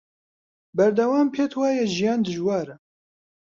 بەردەوام پێت وایە ژیان دژوارە